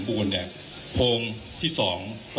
คุณผู้ชมไปฟังผู้ว่ารัฐกาลจังหวัดเชียงรายแถลงตอนนี้ค่ะ